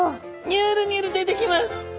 ニュルニュル出てきます！